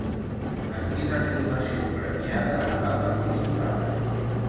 En quina filmació premiada va participar?